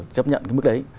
chấp nhận cái mức đấy